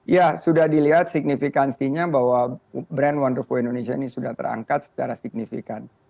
ya sudah dilihat signifikansinya bahwa brand wonderful indonesia ini sudah terangkat secara signifikan